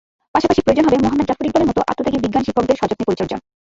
পাশাপাশি প্রয়োজন হবে মুহম্মদ জাফর ইকবালের মতো আত্মত্যাগী বিজ্ঞান শিক্ষকদের সযত্নে পরিচর্যা।